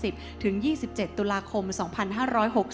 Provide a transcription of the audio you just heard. ฉบับวันที่๒๘ตุลาคมพุทธศักราช๒๕๖๐